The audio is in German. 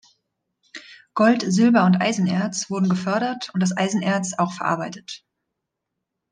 Gold, Silber und Eisenerz wurden gefördert und das Eisenerz auch verarbeitet.